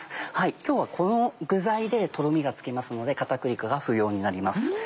今日はこの具材でトロミがつきますので片栗粉が不要になります。